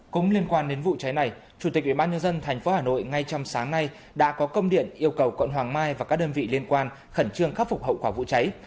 cũng liên quan đến vụ cháy này chủ tịch ubnd tp hà nội ngay trong sáng nay đã có công điện yêu cầu quận hoàng mai và các đơn vị liên quan khẩn trương khắc phục hậu quả vụ cháy